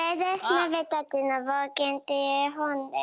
「なべたちのぼうけん」っていうえほんです。